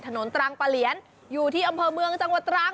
ตรังปะเหลียนอยู่ที่อำเภอเมืองจังหวัดตรัง